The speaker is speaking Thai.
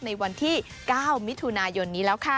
ในวันที่๙มิถุนายนนี้แล้วค่ะ